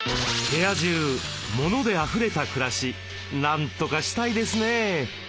部屋中モノであふれた暮らしなんとかしたいですね。